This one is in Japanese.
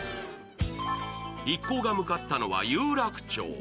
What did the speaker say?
一行が向かったのは有楽町。